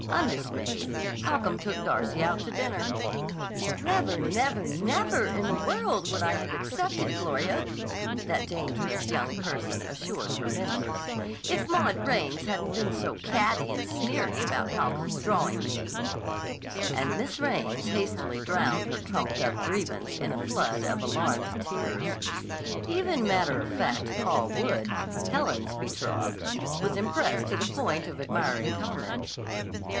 Undismayed, Holcomb took Darcy out to dinner. ("Never, never, never in the world would I have accepted, Gloria," that dangerous young person assured her mentor, "if Maud Raines hadn't been so catty and sneery about Holcomb's drawing me.") And Miss Raines hastily drowned her trumped up grievance in a flood of alarmed tears. Even matter of fact Paul Wood, Helen's betrothed, was impressed to the point of admiring comment.